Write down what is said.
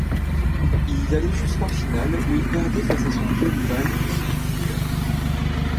Il allait jusqu'en finale où il perdait face à son vieux rival Jim Duggan.